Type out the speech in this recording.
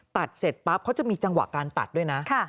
เสร็จปั๊บเขาจะมีจังหวะการตัดด้วยนะ